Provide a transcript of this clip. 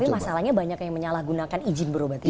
tapi masalahnya banyak yang menyalahgunakan izin berobat itu pak